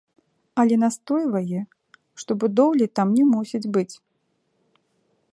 Але настойвае, што будоўлі там не мусіць быць.